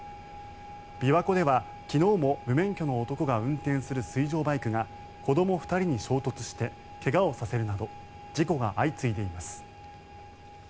琵琶湖では、昨日も無免許の男が運転する水上バイクが子供２人に衝突してけがをさせるなど事故が相次いでいます。